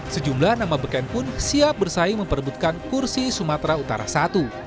sejumlah nama beken pun siap bersaing memperebutkan kursi sumatera utara i